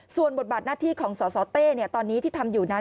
ส่วนบทบาทหน้าที่ของสสเต้ตอนนี้ที่ทำอยู่นั้น